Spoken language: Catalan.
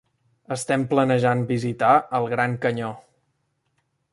Estem planejant visitar el Gran Canyó.